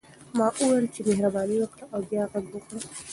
ملا وویل چې مهرباني وکړه او بیا غږ وکړه.